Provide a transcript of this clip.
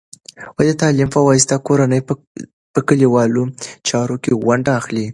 د تعلیم په واسطه، کورنۍ په کلیوالو چارو کې ونډه اخلي.